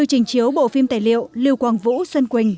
trình chiếu bộ phim tài liệu lưu quang vũ xuân quỳnh